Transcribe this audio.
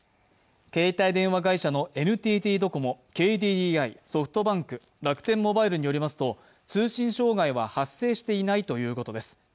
携帯電話会社のＮＴＴドコモ、ＫＤＤＩ、ソフトバンク、楽天モバイルによりますと通信障害は発生していないということです。